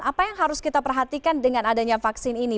apa yang harus kita perhatikan dengan adanya vaksin ini